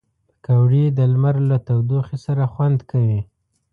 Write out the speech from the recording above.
پکورې د لمر له تودوخې سره خوند کوي